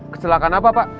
kecelakaan apa pak